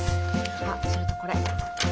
あっそれとこれ。